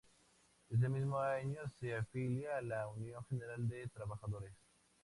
Ese mismo año se afilia a la Unión General de Trabajadores.